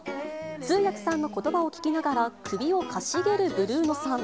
通訳さんのことばを聞きながら、首をかしげるブルーノさん。